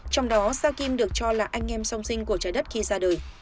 trong đó sa kim được cho là anh em song sinh của trái đất khi ra đời